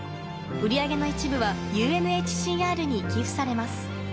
売り上げの一部はＵＮＨＣＲに寄付されます。